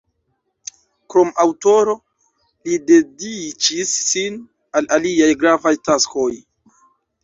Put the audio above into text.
Krom aŭtoro, li dediĉis sin al aliaj gravaj taskoj.